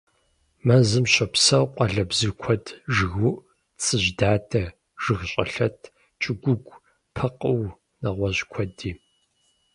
Мэзым щопсэу къуалэбзу куэд: жыгыуӀу, цӀыжьдадэ, жыгщӀэлъэт, кӀыгуугу, пэкъыу, нэгъуэщӀ куэди.